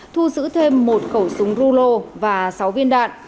thu giữ thêm một khẩu súng rulo và sáu viên đạn